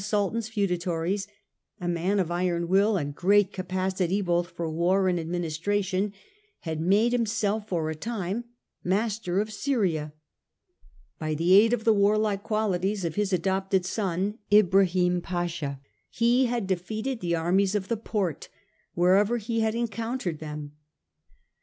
crt. ix. Sultan's feudatories, a man of iron mil and great capacity both, for war and administration, had made himself for a time master of Syria. By the aid of the warlike qualities of his adopted son, Ibrahim Pasha, he had defeated the armies of the Porte wherever he had encountered them.